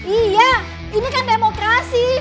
iya ini kan demokrasi